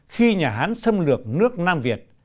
khi nhà hán xâm lược nước nam việt